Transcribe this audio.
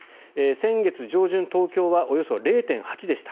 先月上旬東京はおよそ０．８でした。